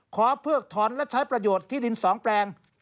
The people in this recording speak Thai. เพิกถอนและใช้ประโยชน์ที่ดิน๒แปลง